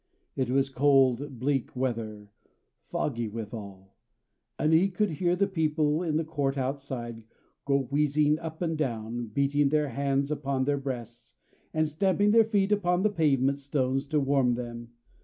It was cold, bleak, biting weather: foggy withal: and he could hear the people in the court outside, go wheezing up and down, beating their hands upon their breasts, and stamping their feet upon the pavement stones to warm them.